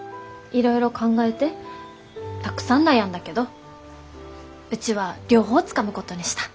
いろいろ考えてたくさん悩んだけどうちは両方つかむことにした。